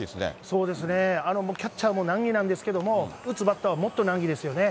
そうですね、キャッチャーも難儀なんですけれども、打つバッターはもっと難儀ですよね。